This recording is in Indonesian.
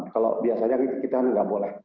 kalau biasanya kita nggak boleh